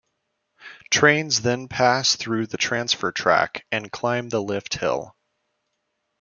Trains then pass through the transfer track and climb the lift hill.